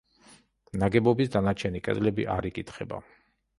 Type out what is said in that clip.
ნაგებობის დანარჩენი კედლები არ იკითხება.